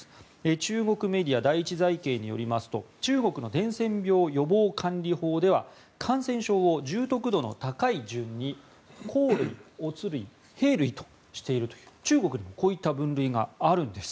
中国メディア第一財経によりますと中国の伝染病予防管理法では感染症を重篤度の高い順に甲類、乙類、丙類としていると中国でもこういった分類があるんです。